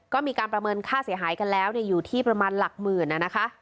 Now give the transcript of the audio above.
ก็มีการประเมินค่าเสียหายกันแล้วอยู่ที่ประมาณหลักหมื่นนะคะ